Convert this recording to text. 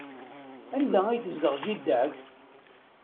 Anda ay tezdeɣ jida-k?